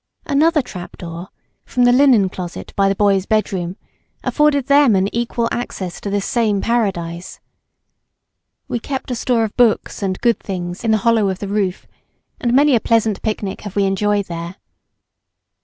Another trap door, from the linen closet by the boys' bedroom, afforded them an equal access to this same paradise. We kept a store of books and good things in the hollow of the roof, and many a pleasant picnic have we enjoyed there.